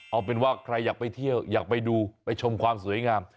เอาเป็นว่าใครอยากไปเที่ยวอยากไปดูไปชมความสวยงาม